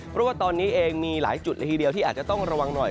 เพราะว่าตอนนี้เองมีหลายจุดละทีเดียวที่อาจจะต้องระวังหน่อย